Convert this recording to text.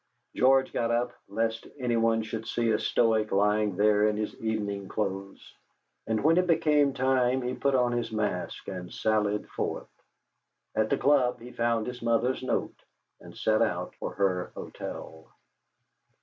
George got up lest anyone should see a Stoic lying there in his evening clothes; and when it became time he put on his mask and sallied forth. At the club he found his mother's note, and set out for her hotel.